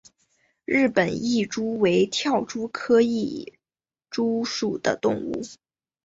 日本蚁蛛为跳蛛科蚁蛛属的动物。